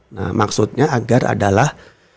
nah maksudnya agar adalah